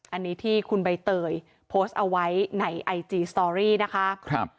อันนี้ที่คุณใบเตยโพสต์เอาไว้ในไอจีสตอรี่นะคะ